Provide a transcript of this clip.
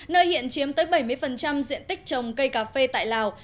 nơi hiện chiếm tới bảy mươi diện tích trồng cây cà phê tại lào